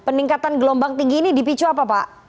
peningkatan gelombang tinggi ini dipicu apa pak